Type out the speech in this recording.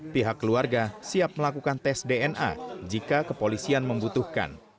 pihak keluarga siap melakukan tes dna jika kepolisian membutuhkan